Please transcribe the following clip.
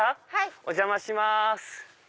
お邪魔します。